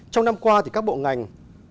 trong năm qua các bộ ngành